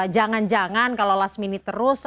jangan jangan kalau last minute terus